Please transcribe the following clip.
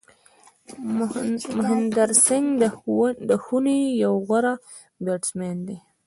مهندر سنگھ دهوني یو غوره بېټسمېن دئ.